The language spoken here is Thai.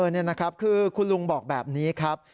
นี่นะครับคือคุณลุงบอกแบบนี้ครับ